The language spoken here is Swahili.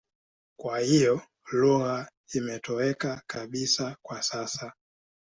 Kwa hiyo lugha imetoweka kabisa kwa sasa.